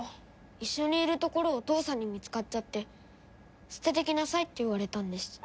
一緒にいるところをお父さんに見つかっちゃって捨ててきなさいって言われたんです。